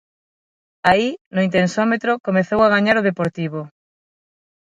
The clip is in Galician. Aí, no intensómetro, comezou a gañar o Deportivo.